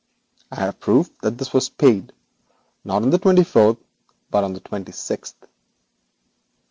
I hold proof that this was paid, not on the twenty fourth, but on the twenty sixth.